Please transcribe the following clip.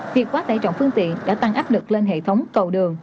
việc quá tải trọng phương tiện đã tăng áp lực lên hệ thống cầu đường